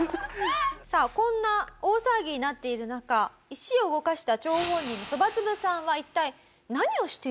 さあこんな大騒ぎになっている中石を動かした張本人そばつぶさんは一体何をしていたのか？